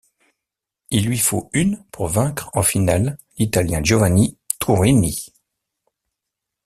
Il lui faut une pour vaincre en finale l'Italien Giovanni Turrini.